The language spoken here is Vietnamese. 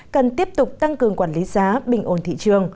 cần tiếp tục tăng cường quản lý giá bình ổn thị trường